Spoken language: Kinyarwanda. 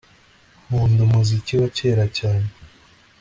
Nkunda umuziki wa kera cyane